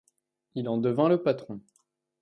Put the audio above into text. Il en devint le patron.